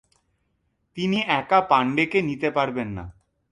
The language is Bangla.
তিনি একা পাণ্ডেকে নিতে পারবেন না।